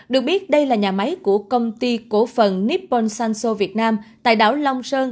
được biết đây là nhà máy của công ty cổ phần nippon sanso việt nam tại đảo long sơn